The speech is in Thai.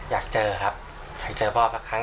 อยากเจอครับอยากเจอพ่อสักครั้ง